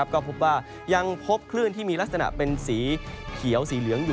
ก็พบว่ายังพบคลื่นที่มีลักษณะเป็นสีเขียวสีเหลืองอยู่